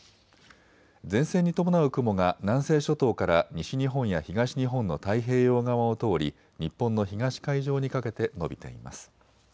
前線に伴う雲が南西諸島から西日本や東日本の太平洋側を通り日本の東海上にかけて延びています。